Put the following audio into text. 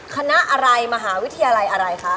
คณะอะไรมหาวิทยาลัยอะไรคะ